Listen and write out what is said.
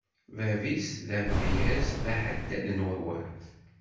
Bab-is d amedyaz d aḥeddad n wawal.